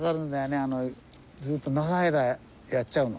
ずっと長い間やっちゃうの。